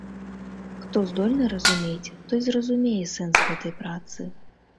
Хто здольны разумець, той зразумее сэнс гэтай працы.